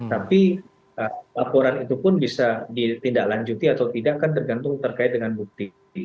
tapi laporan itu pun bisa ditindaklanjuti atau tidak kan tergantung terkait dengan bukti